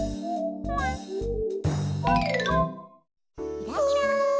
ひらひら。